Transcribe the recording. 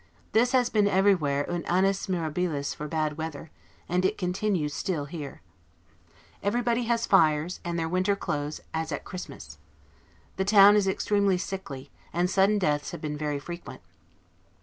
This has been everywhere an 'annus mirabilis' for bad weather, and it continues here still. Everybody has fires, and their winter clothes, as at Christmas. The town is extremely sickly; and sudden deaths have been very frequent.